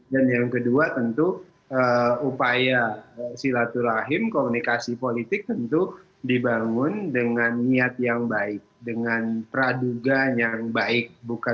dan yang kedua tentu upaya silaturahim komunikasi politik tentu dibangun dengan niat yang baik dengan pradugan yang baik